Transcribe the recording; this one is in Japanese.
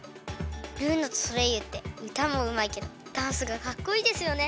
ルーナとソレイユってうたもうまいけどダンスがかっこいいですよね。